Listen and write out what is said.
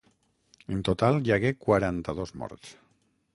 En total, hi hagué quaranta-dos morts.